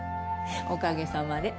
おかげさまで。